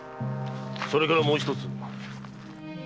それからもう一つ。